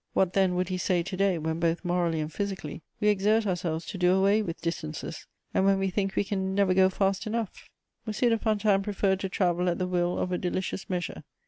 What, then, would he say to day when, both morally and physically, we exert ourselves to do away with distances, and when we think we can never go fast enough. M. de Fontanes preferred to travel at the will of a delicious measure.